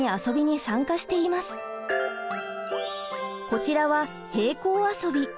こちらは「平行遊び」。